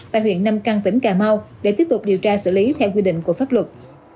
tại huyện nam căn tỉnh cà mau để tiếp tục điều tra xử lý theo quy định của pháp luật